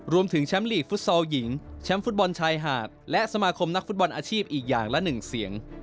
รวมถึงแชมป์ลีกฟุตซอลหญิงแชมป์ฟุตบอลชายหาดและสมาคมนักฟุตบอลอาชีพอีกอย่างละ๑เสียง